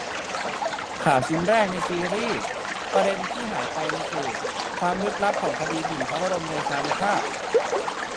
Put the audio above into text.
ข่าวชิ้นแรกในซีรีส์ "ประเด็นที่หายไปในสื่อ" : ความลึกลับของคดีหมิ่นพระบรมเดชานุภาพ